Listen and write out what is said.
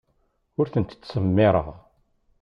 Ur ten-ttsemmiṛeɣ.